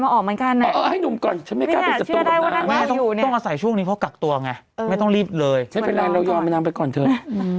นี่คือแบบกลายเป็นว่าน้องรู้ร่วงหน้าใครด้วย